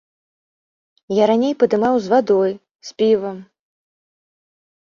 Я раней падымаў з вадой, з півам.